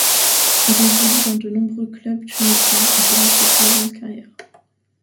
Il évolue dans de nombreux clubs tunisiens durant ses seize ans de carrière.